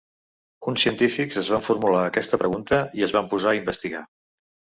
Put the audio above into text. Uns científics es van formular aquesta pregunta i es van posar a investigar.